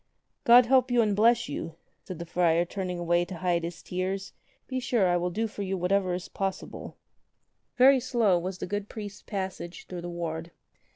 "God help you and bless you," said the friar turning away to hide his tears. "Be sure I will do for you what ever is possible." Very slow was the good priest's passage through the ward.